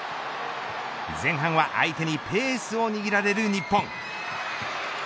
前半は相手にペースを握られる日本。